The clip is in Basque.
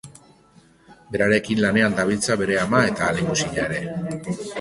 Berarekin lanean dabiltza bere ama eta lehengusina ere.